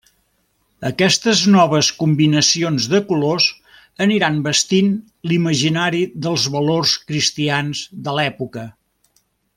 Aquestes noves combinacions de colors aniran vestint l'imaginari dels valors cristians de l'època.